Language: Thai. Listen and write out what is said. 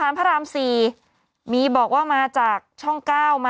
อ้าวสะพานอะไรอ่านเยอะจริง